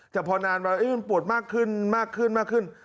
แต่พอนานมาปวดมากขึ้นมากขึ้นมากขึ้น